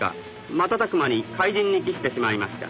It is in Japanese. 瞬く間に灰じんに帰してしまいました